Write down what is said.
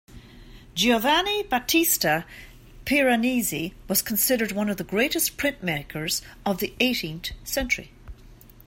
Giovanni Battista Piranesi was considered one of the greatest printmakers of the eighteenth century.